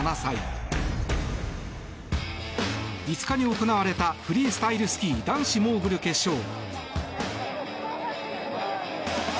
５日に行われたフリースタイルスキー男子モーグル決勝。